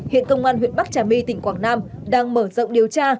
hiện công an huyện bắc trà my tỉnh quảng nam đang mở rộng điều tra